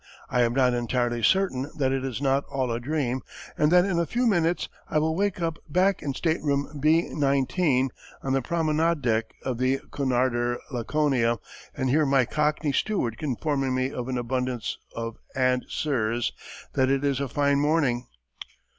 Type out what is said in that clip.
I am not entirely certain that it is not all a dream and that in a few minutes I will wake up back in stateroom B. 19 on the promenade deck of the Cunarder Laconia and hear my cockney steward informing me with an abundance of "and sirs" that it is a fine morning.